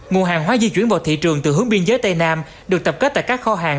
nguồn hàng hóa di chuyển vào thị trường từ hướng biên giới tây nam được tập kết tại các kho hàng